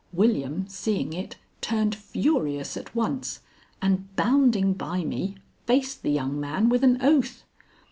William, seeing it, turned furious at once, and, bounding by me, faced the young man with an oath.